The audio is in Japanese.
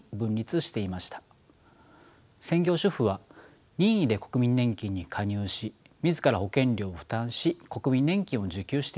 専業主婦は任意で国民年金に加入し自ら保険料を負担し国民年金を受給していました。